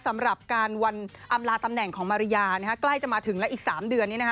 สำหรับการวันอำลาตำแหน่งของมาริยาใกล้จะมาถึงแล้วอีก๓เดือน